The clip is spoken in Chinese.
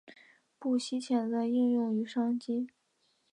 剖析潜在应用与商机